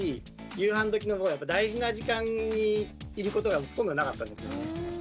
夕飯どきの大事な時間にいることがほとんどなかったんですよね。